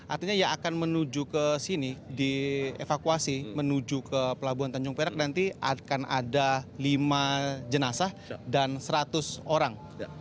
artinya yang akan menuju ke sini dievakuasi menuju ke pelabuhan tanjung perak nanti akan ada lima jenazah dan seratus orang